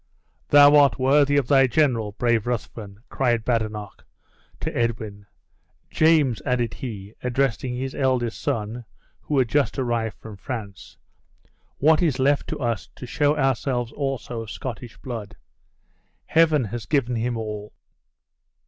"Thou art worthy of thy general, brave Ruthven!" cried Badenoch to Edwin. "James," added he, addressing his eldest son, who had just arrived from France, "what is left to us to show ourselves also of Scottish blood? Heaven has given him all!"